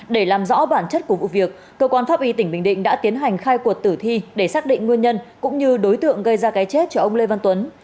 để làm rõ bản chất của vụ việc cơ quan pháp y tỉnh bình định đã tiến hành khai cuộc tử thi để xác định nguyên nhân cũng như đối tượng gây ra cái chết cho ông lê văn tuấn